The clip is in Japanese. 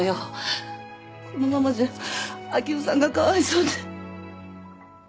このままじゃ明生さんがかわいそうで。